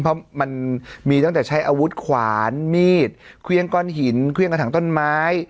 เพราะมันมีตั้งแต่ใช้อาวุธขวานมีดเครื่องก้อนหินเครื่องกระถังต้นไม้